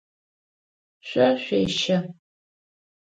Шъо шъуещэ.